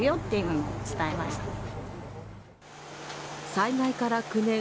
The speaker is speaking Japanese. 災害から９年。